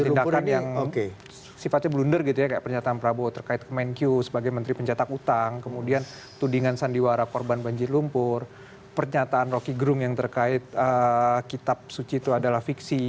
tindakan yang sifatnya blunder gitu ya kayak pernyataan prabowo terkait kemenkyu sebagai menteri pencetak utang kemudian tudingan sandiwara korban banjir lumpur pernyataan rocky gerung yang terkait kitab suci itu adalah fiksi